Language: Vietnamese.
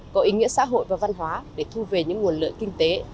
có ý nghĩa xã hội và văn hóa để thu về những nguồn lợi kinh tế